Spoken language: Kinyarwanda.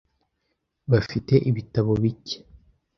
Bafite ibitabo bike .